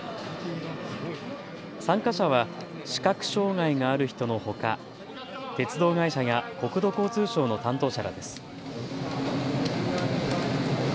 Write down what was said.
参加者は視覚障害がある人のほか鉄道会社や国土交通省の担当者らです。